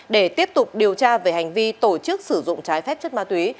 để tiếp tục điều tra về hành vi tổ chức sử dụng trái phép chất ma túy